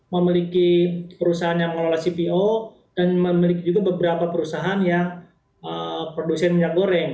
memiliki perusahaan yang mengelola cpo dan memiliki juga beberapa perusahaan yang produsen minyak goreng